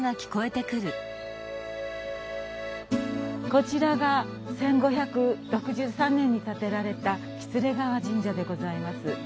こちらが１５６３年に建てられた喜連川神社でございます。